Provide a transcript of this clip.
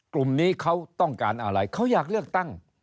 กลุ่มนี้เขาต้องการอะไรเขาอยากเลือกตั้ง